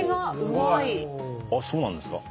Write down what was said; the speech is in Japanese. そうなんですか？